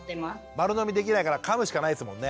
丸飲みできないからかむしかないですもんね。